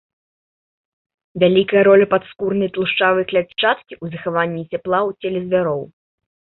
Вялікая роля падскурнай тлушчавай клятчаткі ў захаванні цяпла ў целе звяроў.